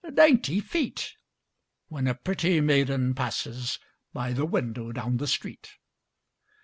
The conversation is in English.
"Dainty feet!" When a pretty maiden passes By the window down the street.